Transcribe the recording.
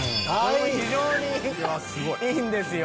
非常にいいんですよ